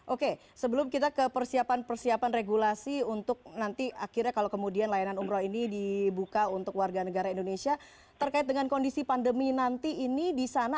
oke sebelum kita ke persiapan persiapan regulasi untuk nanti akhirnya kalau kemudian layanan umroh ini dibuka untuk warga negara indonesia terkait dengan kondisi pandemi nanti ini di sana